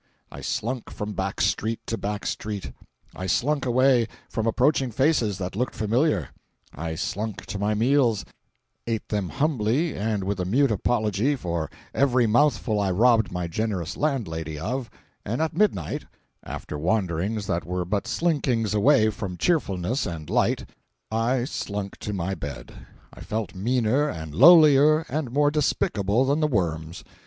I slunk from back street to back street, I slunk away from approaching faces that looked familiar, I slunk to my meals, ate them humbly and with a mute apology for every mouthful I robbed my generous landlady of, and at midnight, after wanderings that were but slinkings away from cheerfulness and light, I slunk to my bed. I felt meaner, and lowlier and more despicable than the worms.